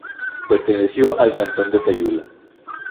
Perteneció al cantón de Sayula.